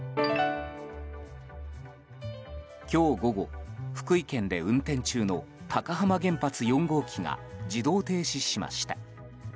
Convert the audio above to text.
今日午後、福井県で運転中の高浜原発４号機が自動停止しました。